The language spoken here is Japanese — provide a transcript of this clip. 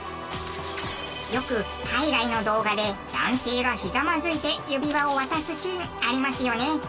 よく海外の動画で男性がひざまずいて指輪を渡すシーンありますよね。